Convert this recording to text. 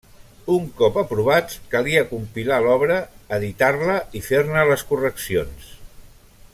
Un cop aprovats, calia compilar l'obra, editar-la i fer-ne les correccions.